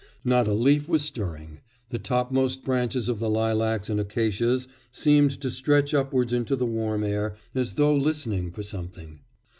Not a leaf was stirring; the topmost branches of the lilacs and acacias seemed to stretch upwards into the warm air, as though listening for something.